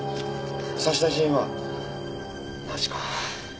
差出人はなしか。